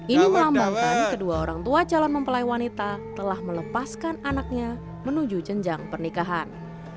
ini melambangkan kedua orang tua calon mempelai wanita telah melepaskan anaknya menuju jenjang pernikahan